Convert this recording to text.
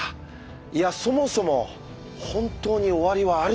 いやそもそも本当に終わりはあるのか。